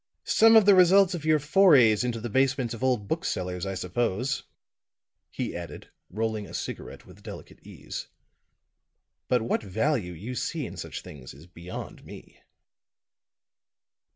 "Some of the results of your forays into the basements of old booksellers, I suppose," he added, rolling a cigarette with delicate ease. "But what value you see in such things is beyond me."